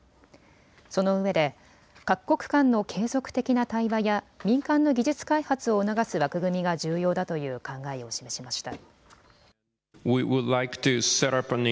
そのうえで各国間の継続的な対話や民間の技術開発を促す枠組みが重要だという考えを示しました。